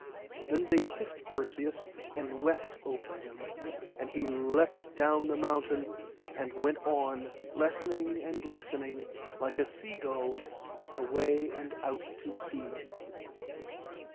Then they kissed Perseus, and wept over him, and he leapt down the mountain, and went on, lessening and lessening like a sea gull, away and out to sea.